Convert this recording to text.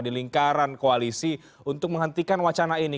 di lingkaran koalisi untuk menghentikan wacana ini